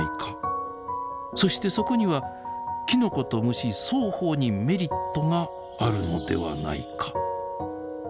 そしてそこにはきのこと虫双方にメリットがあるのではないか。